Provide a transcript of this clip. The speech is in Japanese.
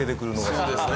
そうですね